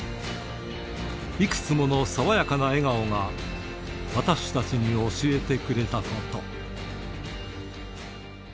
いくつもの爽やかな笑顔が、私たちに教えてくれたこと。